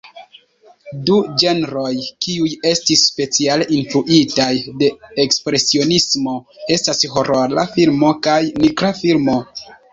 Du ĝenroj kiuj estis speciale influitaj de Ekspresionismo estas horora filmo kaj nigra filmo.